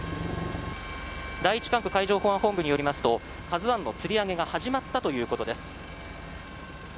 第１管区海上保安本部によりますと「ＫＡＺＵ１」のつり上げが始まったということです。